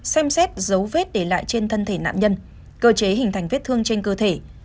xem xét dấu vết để lại trên thân thể nạn nhân cơ chế hình thành vết thương trên cơ thể